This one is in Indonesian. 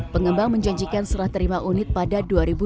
pengembang menjanjikan serah terima unit pada dua ribu dua puluh